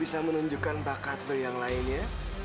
sampai jumpa di video selanjutnya